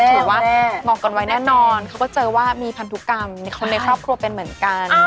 ถือว่าหงอกก่อนวัยแน่นอนเขาก็เจอว่ามีพันธุกรรมในความใดครอบครัวเป็นเหมือนกัน